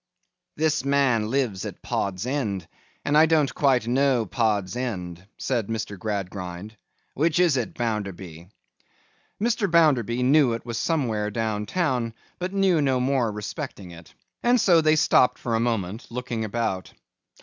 'This man lives at Pod's End, and I don't quite know Pod's End,' said Mr. Gradgrind. 'Which is it, Bounderby?' Mr. Bounderby knew it was somewhere down town, but knew no more respecting it. So they stopped for a moment, looking about.